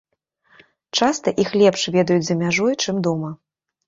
Часта іх лепш ведаюць за мяжой, чым дома.